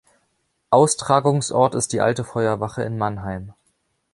Austragungsort ist die Alte Feuerwache in Mannheim.